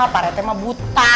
parete mah buta